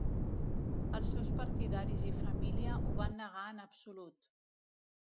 Els seus partidaris i família ho van negar en absolut.